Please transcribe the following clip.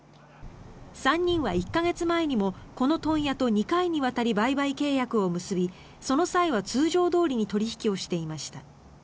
３人は１か月前にもこの問屋と２回にわたり売買契約を結びその際は通常どおりに取引をしていました。